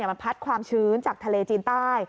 มันพัดความชื้นจากทะเลจีนใต้